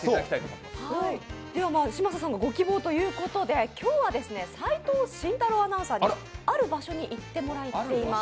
嶋佐さんのご希望ということで今日は齋藤慎太郎アナウンサーにある場所に行ってもらっています。